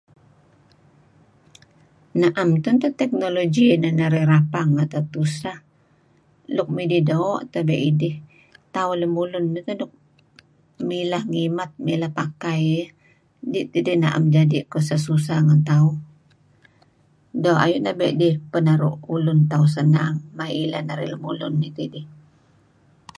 Naem tun teh teknologi nuk inan narih rapang tusah nk midih doo' tidih tauh lemulun nuk mileh ngimat milat pakai iih dih tidih nam jadi' susah-susah ngen tauh. Doo' ayu' abe' idih naru' ulun tauh sennang maya; ileh narih pakai maya' ileh tauh lemulun teh idih.